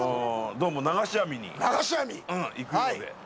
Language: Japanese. どうも流し網に行くようで。